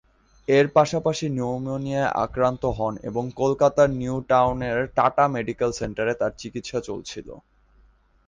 এর পাশাপাশি নিউমোনিয়ায় আক্রান্ত হন এবং কলকাতার নিউ টাউনের টাটা মেডিকেল সেন্টারে তাঁর চিকিৎসা চলছিল।